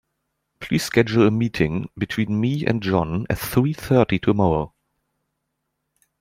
Please schedule a meeting between me and John at three thirty tomorrow.